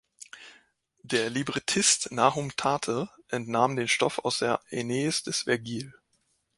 Der Librettist Nahum Tate entnahm den Stoff aus der Aeneis des Vergil.